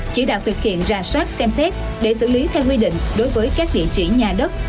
chỉ đạo thực hiện ra soát xem xét để xử lý theo quy định đối với các địa chỉ nhà đất